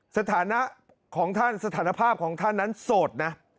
สถานะของท่านสถานภาพของท่านนั้นโสดนะ